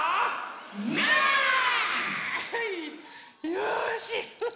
よし！